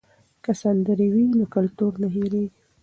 که سندرې وي نو کلتور نه هېریږي.